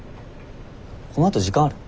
このあと時間ある？